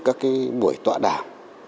các buổi tọa đàm